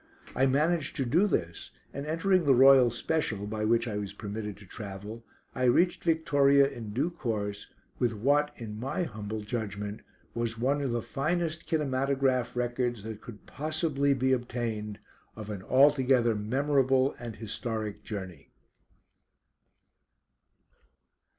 I managed to do this, and entering the royal special (by which I was permitted to travel) I reached Victoria in due course with what, in my humble judgment, was one of the finest kinematograph records that could possibly be obtained of an altogether memorable and historic journey.